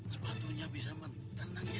sepatunya bisa menenangkan